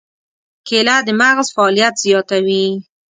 کېله د مغز فعالیت زیاتوي.